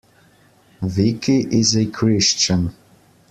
Vicky is a Christian.